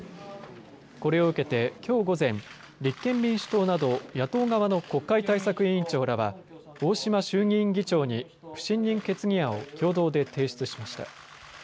これを受けてきょう午前、立憲民主党など野党側の国会対策委員長らは大島衆議院議長に不信任決議案を共同で提出しました。